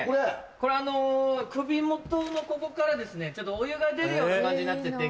これ首元のここからお湯が出るような感じになってて。